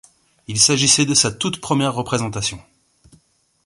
Il s'agissait de sa toute première représentation.